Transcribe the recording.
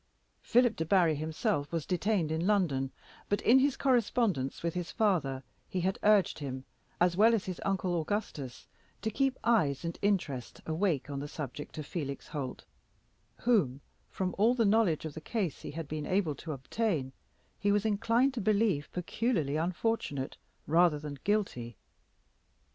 Philip Debarry himself was detained in London, but in his correspondence with his father he had urged him, as well as his uncle Augustus, to keep eyes and interest awake on the subject of Felix Holt, whom, from all the knowledge of the case he had been able to obtain, he was inclined to believe peculiarly unfortunate rather than guilty.